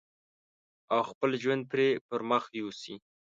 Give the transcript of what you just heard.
او خپل ژوند پرې پرمخ يوسي.